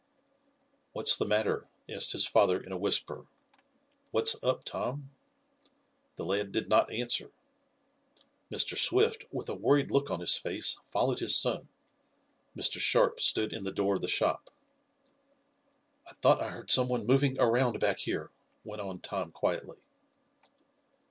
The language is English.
"What's the matter?" asked his father in a whisper. "What's up, Tom?" The lad did not answer Mr. Swift, with a worried look on his face, followed his son. Mr. Sharp stood in the door of the shop. "I thought I heard some one moving around back here," went on Tom quietly.